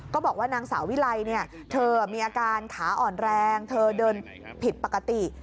ก็บอกว่านางสาววิไลเธอมีอาการขาอ่อนแรงเธอเดินผิดปกติ